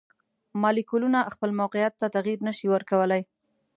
مالیکولونه خپل موقیعت ته تغیر نشي ورکولی.